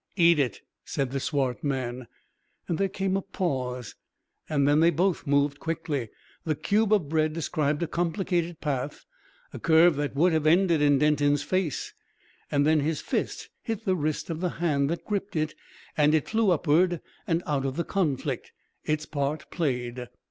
"Eat it," said the swart man. There came a pause, and then they both moved quickly. The cube of bread described a complicated path, a curve that would have ended in Denton's face; and then his fist hit the wrist of the hand that gripped it, and it flew upward, and out of the conflict its part played.